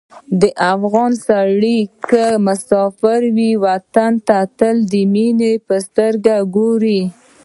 د افغان سړی که مسافر وي، وطن ته تل د مینې په سترګه ګوري.